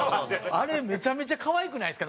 あれめちゃめちゃ可愛くないですか？